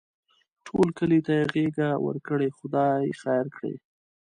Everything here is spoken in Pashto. ټول کلي ته یې غېږه ورکړې؛ خدای خیر کړي.